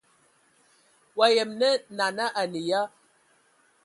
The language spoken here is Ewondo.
Wa yəm na nana a nə ya?